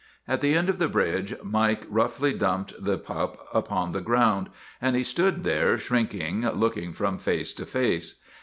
At the end of the bridge Mike roughly dumped the pup upon the ground, and he stood there shrink ingly, looking from face to face.